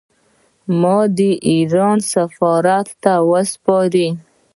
ما دې د ایران سفارت ته وسپاري.